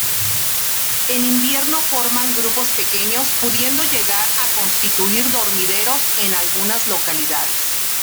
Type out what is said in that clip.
En invierno forman grupos pequeños, pudiendo llegar a constituir dormideros en algunas localidades.